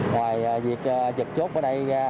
ngoài việc dập chốt ở đây